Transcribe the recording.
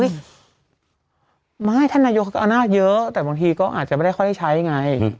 อุ๊ยไม่ท่านนายก็เอาหน้าเยอะแต่บางทีก็อาจจะไม่ได้ค่อยได้ใช้ไง